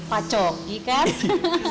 pak coki kan